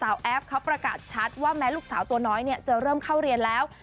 แอฟเขาประกาศชัดว่าแม้ลูกสาวตัวน้อยจะเริ่มเข้าเรียนแล้ว